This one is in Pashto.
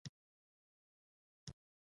چې د خپلې خوشحالۍ لپاره کم دلیل لري.